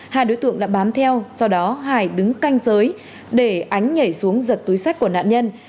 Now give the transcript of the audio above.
hai đối tượng đã bám theo sau đó hải đứng canh giới để ánh nhảy xuống giật túi sách của nạn nhân